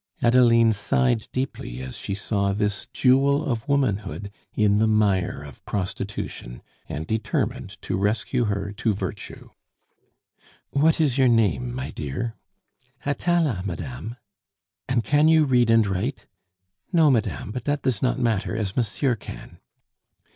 Adeline sighed deeply as she saw this jewel of womanhood in the mire of prostitution, and determined to rescue her to virtue. "What is your name, my dear?" "Atala, madame." "And can you read and write?" "No, madame; but that does not matter, as monsieur can."